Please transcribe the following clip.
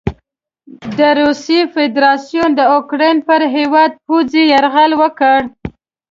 د روسیې فدراسیون د اوکراین پر هیواد پوځي یرغل وکړ.